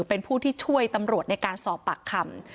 เป็นผู้ที่ช่วยตำรวจในการสอบปากคำ